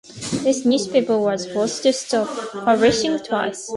This newspaper was forced to stop publishing twice.